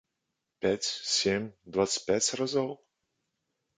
Пяць, сем, дваццаць пяць разоў?